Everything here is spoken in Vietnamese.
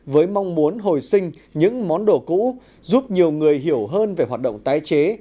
với mong muốn hồi sinh những món đồ cũ giúp nhiều người hiểu hơn về hoạt động tái chế